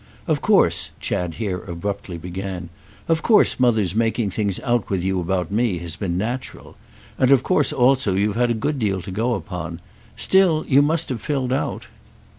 "Of course," Chad here abruptly began, "of course Mother's making things out with you about me has been natural—and of course also you've had a good deal to go upon. Still, you must have filled out."